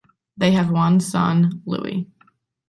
They have one son, Louis.